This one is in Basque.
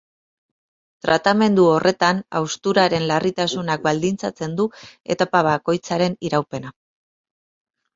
Tratamendu horretan, hausturaren larritasunak baldintzatzen du etapa bakoitzaren iraupena.